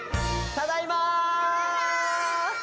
ただいま！